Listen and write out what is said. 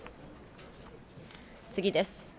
次です。